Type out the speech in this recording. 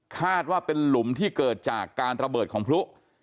คาดว่าเป็นหลุมที่เกิดจากการระเบิดของพลุ